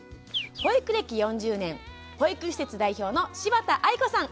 保育暦４０年保育施設代表の柴田愛子さん。